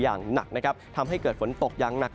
อย่างหนักนะครับทำให้เกิดฝนตกอย่างหนัก